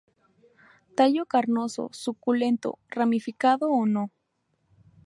Tallo carnoso, suculento, ramificado o no.